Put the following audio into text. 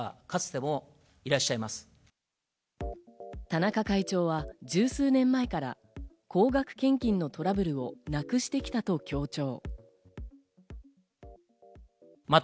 田中会長は１０数年前から高額献金のトラブルをなくしてきたと強調。